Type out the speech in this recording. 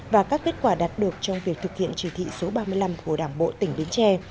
và các kết quả đạt được trong việc thực hiện chỉ thị số ba mươi năm của đảng bộ tỉnh bến tre